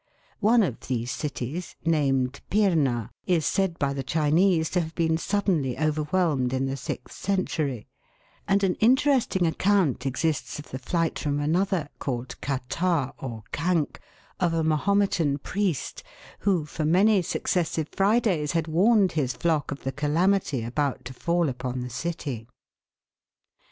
One of these cities, named Pirna, is said by the Chinese to have been suddenly overwhelmed in the sixth century; and an interesting account exists of the flight from another, called Katali or Kank, of a Mahometan priest, who for many suc cessive Fridays had warned his flock ot the calamity about to fall upon the city.